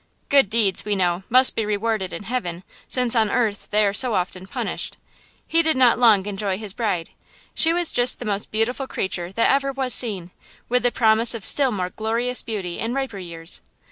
"Good deeds, we know, must be rewarded in heaven, since on earth they are so often punished." "He did not long enjoy his bride. She was just the most beautiful creature that ever was seen–with a promise of still more glorious beauty in riper years.